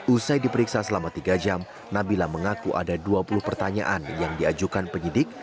usai diperiksa selama tiga jam nabila mengaku ada dua puluh pertanyaan yang diajukan penyidik